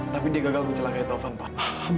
tapi dia gagal mencelakai taufan pak